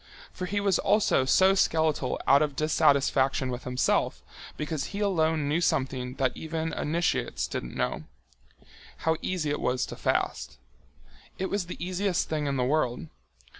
For he was also so skeletal out of dissatisfaction with himself, because he alone knew something that even initiates didn't know—how easy it was to fast. It was the easiest thing in the world.